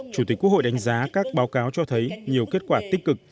chủ tịch quốc hội đánh giá các báo cáo cho thấy nhiều kết quả tích cực